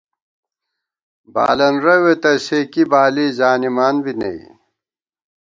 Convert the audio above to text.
بالن رَوے تہ، سے کی بالی زانِمان بی نئ